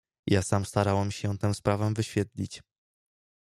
"Ja sam starałem się tę sprawę wyświetlić."